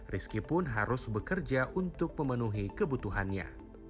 rizky pun harus bekerja untuk memenuhi kebutuhannya